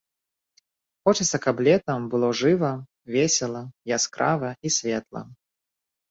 Хочацца, каб летам было жыва, весела, яскрава і светла.